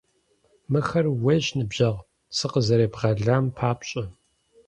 Мыхэр ууейщ, ныбжьэгъу, сыкъызэребгъэлам папщӀэ!